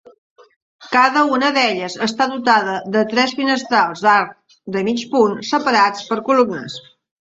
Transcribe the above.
Cada una d'elles està dotada de tres finestrals d'arc de mig punt separats per columnes.